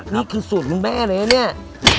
นี่คือสูตรคุณแม่เลยะ